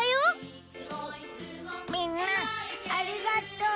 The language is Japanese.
みんなありがとう。